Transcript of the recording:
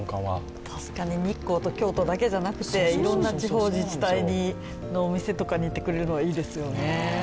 確かに日光と京都だけじゃなくていろんな地方自治体のお店に行ってくれるのはいいですよね。